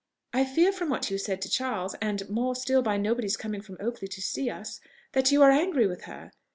I fear from what you said to Charles, and more still by nobody's coming from Oakley to see us, that you are angry with her.